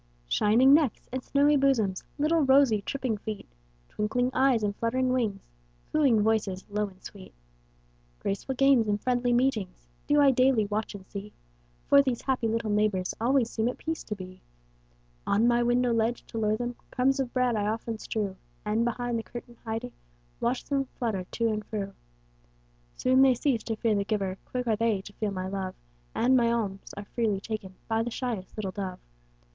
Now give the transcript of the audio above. Shining necks and snowy bosoms, Little rosy, tripping feet, Twinkling eyes and fluttering wings, Cooing voices, low and sweet, Graceful games and friendly meetings, Do I daily watch and see. For these happy little neighbors Always seem at peace to be. On my window ledge, to lure them, Crumbs of bread I often strew, And, behind the curtain hiding, Watch them flutter to and fro. Soon they cease to fear the giver, Quick are they to feel my love, And my alms are freely taken By the shyest little dove.